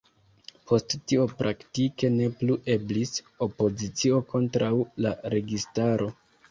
Post tio praktike ne plu eblis opozicio kontraŭ la registaro.